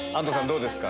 どうですか？